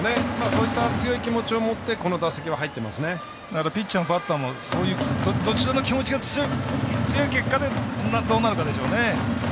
そういった強い気持ちを持ってピッチャーもバッターもどちらの気持ちが強い結果でどうなるかでしょうね。